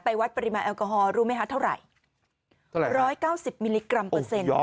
วัดปริมาณแอลกอฮอลรู้ไหมคะเท่าไหร่ร้อยเก้าสิบมิลลิกรัมเปอร์เซ็นต์